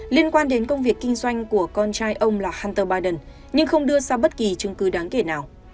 liên quan đến công việc kinh doanh của con trai ông là hunter biden nhưng không đưa ra bất kỳ chứng cứ đáng kể nào